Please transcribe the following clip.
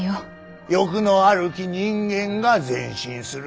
欲のあるき人間が前進する。